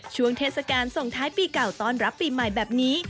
ช่วงเทศกาลส่งท้ายปีเก่าต้อนรับปีใหม่แบบนี้